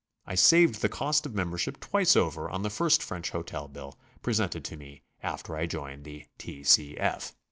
I saved the cost of member ship twice over on the first French hotel bill presented to me alter I joined the T. C. F.